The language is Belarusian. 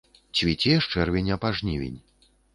Цвіце з чэрвеня па жнівень.